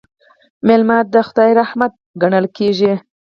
میلمه د خدای رحمت ګڼل کیږي.